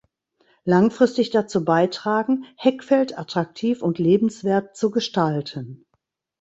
Langfristig dazu beitragen, Heckfeld attraktiv und lebenswert zu gestalten.